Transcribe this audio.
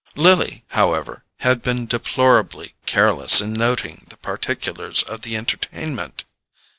Lily, however, had been deplorably careless in noting the particulars of the entertainment.